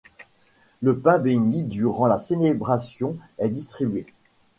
Le pain bénit durant la célébration est distribué.